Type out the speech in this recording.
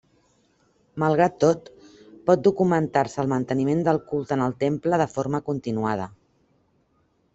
Malgrat tot, pot documentar-se el manteniment del culte en el temple de forma continuada.